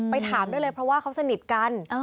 ถามได้เลยเพราะว่าเขาสนิทกัน